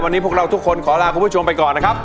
วันนี้พวกเราทุกคนขอลาคุณผู้ชมไปก่อนนะครับ